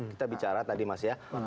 kita bicara tadi mas ya